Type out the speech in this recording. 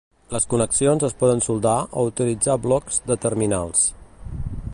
Les connexions es poden soldar o utilitzar blocs de terminals.